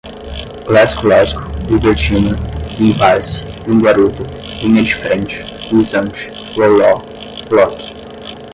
lesco lesco, libertina, limpar-se, linguarudo, linha de frente, lisante, loló, loque